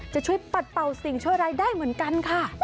จะช่วยปัดเป่าสิ่งชั่วร้ายได้เหมือนกันค่ะ